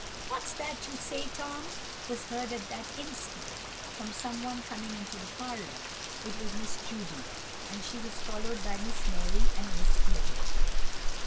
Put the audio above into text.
"What's that you say, Tom?" was heard at that instant from someone coming into the parlour. It was Miss Judy, and she was followed by Miss Mary and Miss Elizabeth.